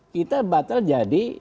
kita batal jadi